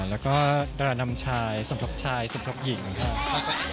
แล้วก็ดารานำชายสำหรับชายสำหรับหญิงครับ